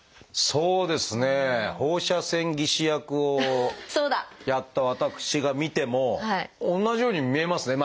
そうですね放射線技師役をやった私が見ても同じように見えますね。